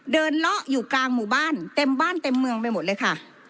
เลาะอยู่กลางหมู่บ้านเต็มบ้านเต็มเมืองไปหมดเลยค่ะ